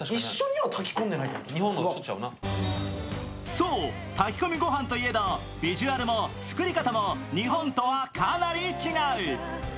そう、炊き込みご飯といえどビジュアルも作り方も日本とはかなり違う。